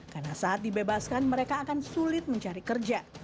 karena saat dibebaskan mereka akan sulit mencari kerja